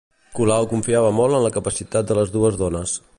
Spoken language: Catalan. Colau confiava molt en la capacitat de les dues dones